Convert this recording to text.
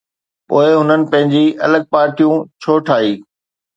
پوءِ هنن پنهنجي الڳ پارٽيون ڇو ٺاهي؟